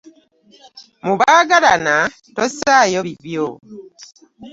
Mu baagalana tossaayo bibyo.